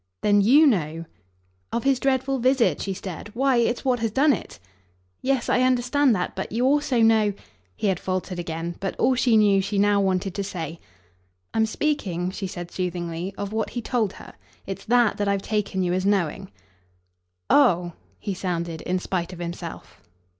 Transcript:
"Then YOU know " "Of his dreadful visit?" She stared. "Why it's what has done it." "Yes I understand that. But you also know " He had faltered again, but all she knew she now wanted to say. "I'm speaking," she said soothingly, "of what he told her. It's THAT that I've taken you as knowing." "Oh!" he sounded in spite of himself.